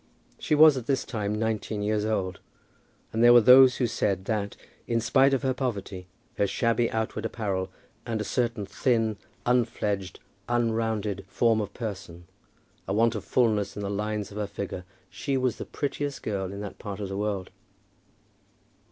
She was at this time nineteen years old, and there were those who said that, in spite of her poverty, her shabby outward apparel, and a certain thin, unfledged, unrounded form of person, a want of fulness in the lines of her figure, she was the prettiest girl in that part of the world.